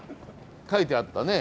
書いてあったね